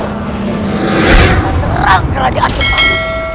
kita serang kerajaan jemaah